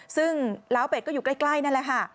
ซึ่งล้าวเป็ดก็อยู่ใกล้นั่นแหละค่ะ